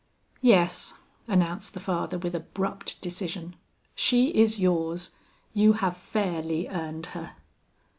"Yes," announced the father with abrupt decision, "she is yours; you have fairly earned her."